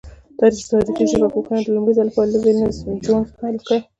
تاریخي ژبپوهنه د لومړی ځل له پاره ویلم جونز پیل کړه.